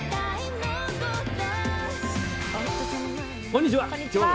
こんにちは。